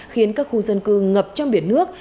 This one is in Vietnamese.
khiến các khu dân cư ngập trong biển nước